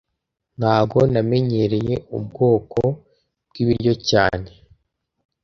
Ntago namenyereye ubwoko bwibiryo cyane